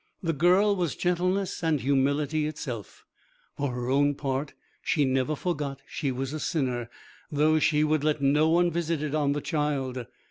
The girl was gentleness and humility itself. For her own part she never forgot she was a sinner, though she would let no one visit it on the child.